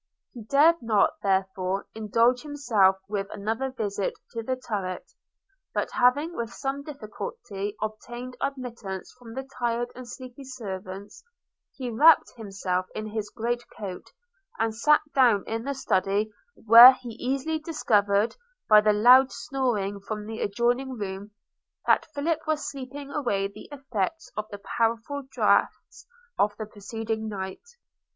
He dared not therefore indulge himself with another visit to the turret; but having with some difficulty obtained admittance from the tired and sleepy servants, he wrapped himself in his great coat, and sat down in the Study, where he easily discovered, by the loud snoring from the adjoining room, that Philip was sleeping away the effects of the powerful draughts of the preceding night.